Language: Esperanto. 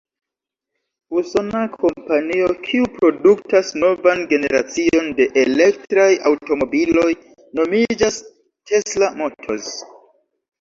Usona kompanio, kiu produktas novan generacion de elektraj aŭtomobiloj, nomiĝas Tesla Motors.